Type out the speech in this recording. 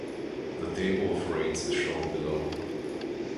The table of rates is shown below.